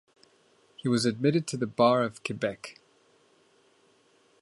He was admitted to the Bar of Quebec.